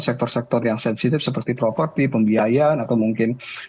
sektor sektor yang sensitif seperti properti pembiayaan atau mungkin sektor sektor yang lainnya